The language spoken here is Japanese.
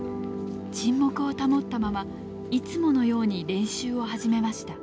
沈黙を保ったままいつものように練習を始めました。